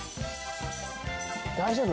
大丈夫？